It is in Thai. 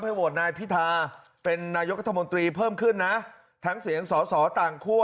โหวตนายพิธาเป็นนายกรัฐมนตรีเพิ่มขึ้นนะทั้งเสียงสอสอต่างคั่ว